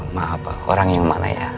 maaf orang yang mana ya